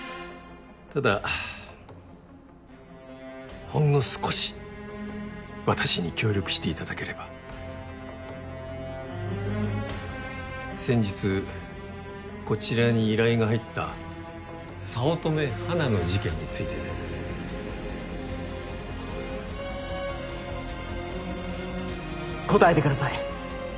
ただほんの少し私に協力していただければ先日こちらに依頼が入った早乙女花の事件についてです答えてください！